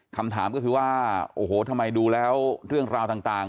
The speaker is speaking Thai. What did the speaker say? คำถามก็คือว่าโอ้โหทำไมดูแล้วเรื่องราวต่าง